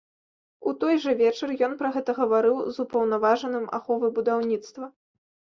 У той жа вечар ён пра гэта гаварыў з упаўнаважаным аховы будаўніцтва.